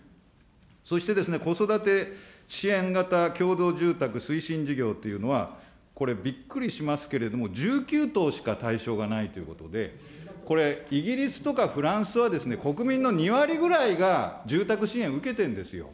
そしてですね、子育て支援型共同住宅推進事業というのは、これびっくりしますけれども、１９棟しか対象がないということで、これ、イギリスとかフランスは、国民の２割ぐらいが、住宅支援受けてるんですよ。